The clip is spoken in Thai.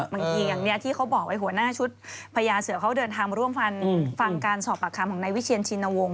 บางทีอย่างที่เขาบอกไว้หัวหน้าชุดพญาเสือเขาเดินทางมาร่วมฟันฟังการสอบปากคำของนายวิเชียนชินวงศ